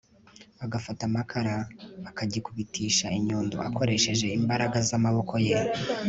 agafata amakara akagikubitisha inyundo akoresheje imbaraga z amaboko ye